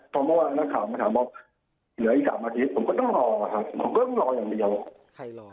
เพราะว่านักข่าวมาถามว่าเหลืออีกสามอาทิตย์ผมก็ต้องรอครับผมก็ต้องรออย่างเดียวใครรอ